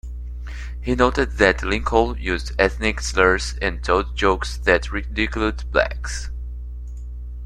He noted that Lincoln used ethnic slurs and told jokes that ridiculed blacks.